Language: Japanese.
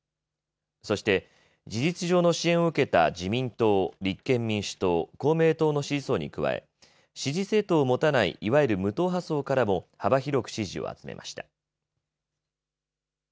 そして事実上の支援を受けた自民党、立憲民主党、公明党の支持層に加え、支持政党を持たないいわゆる無党派層からも幅広く支持を集めました。